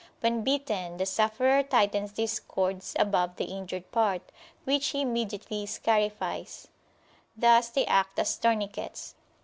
When bitten, the sufferer tightens these cords above the injured part, which he immediately scarifies; thus they act as tourniquets.